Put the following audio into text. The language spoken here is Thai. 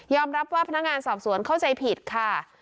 รับว่าพนักงานสอบสวนเข้าใจผิดค่ะ